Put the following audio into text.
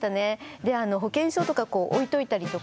で保険証とかこう置いといたりとか。